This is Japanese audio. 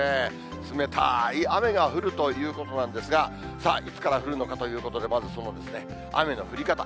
冷たーい雨が降るということなんですが、さあ、いつから降るのかということで、まずその雨の降り方。